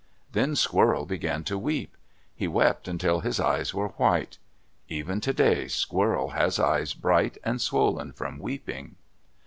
Then Squirrel began to weep. He wept until his eyes were white. Even today Squirrel has eyes bright and swollen from weeping.